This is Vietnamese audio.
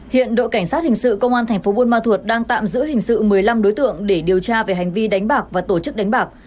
hiện đội cảnh sát hình sự công an thành phố buôn ma thuột đang tạm giữ hình sự một mươi năm đối tượng để điều tra về hành vi đánh bạc và tổ chức đánh bạc